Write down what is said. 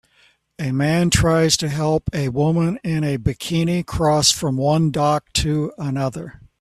A man tries to help a woman in a bikini cross from one dock to another